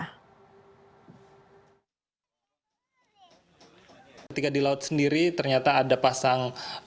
ketika di laut sendiri ternyata ada pasang